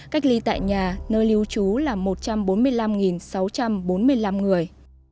cách ly tại nhà nơi lưu trú là một trăm bốn mươi năm sáu trăm bốn mươi năm người